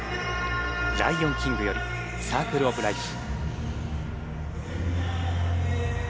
『ライオン・キング』より『サークル・オブ・ライフ』。